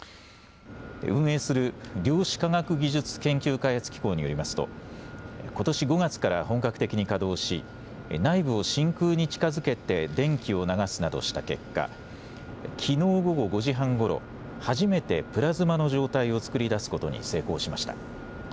運営する量子科学技術研究開発機構によりますとことし５月から本格的に稼働し内部を真空に近づけて電気を流すなどした結果、きのう午後５時半ごろ、初めてプラズマの状態を作り出すことに成功しました。